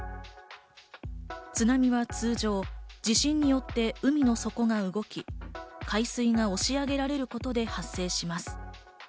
津波は通常、地震によって海の底が動き、海水が押し上げられることで発生します。